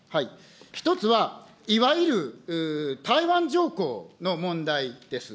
１つはいわゆる台湾条項の問題です。